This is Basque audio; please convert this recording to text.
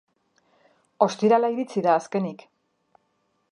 Ostirala iritsi da azkenik.